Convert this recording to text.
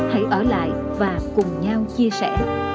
hãy ở lại và cùng nhau chia sẻ